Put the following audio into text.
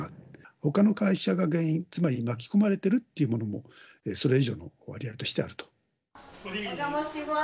ほかの会社が原因、つまり巻き込まれてるっていうものも、それ以上の割合としてはあお邪魔しまーす。